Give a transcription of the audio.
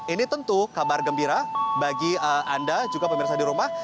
ini tentu kabar gembira bagi anda juga pemirsa di rumah